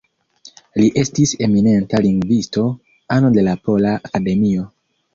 Li estis eminenta lingvisto, ano de la Pola Akademio.